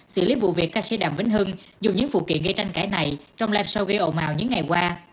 xử lý vụ việc ca sĩ đàm vĩnh hưng dùng những vụ kiện gây tranh cãi này trong live show gây ồn ào những ngày qua